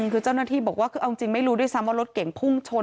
คือเจ้าหน้าที่บอกว่าคือเอาจริงไม่รู้ด้วยซ้ำว่ารถเก่งพุ่งชน